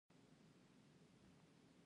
د دولت او ملت واټن خطرناک دی.